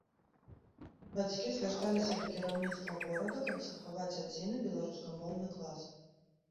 Бацькі звярталіся да кіраўніцтва горада, каб захаваць адзіны беларускамоўны клас.